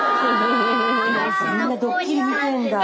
やっぱみんな「ドッキリ」見てんだ。